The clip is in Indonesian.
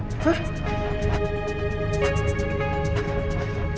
sekarang gini aja